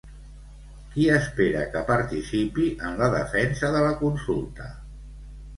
Qui espera que participi en la defensa de la consulta?